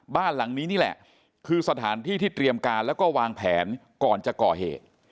บ้านหลังนี้นี่แหละคือสถานที่ที่เตรียมการแล้วก็วางแผนก่อนจะก่อเหตุ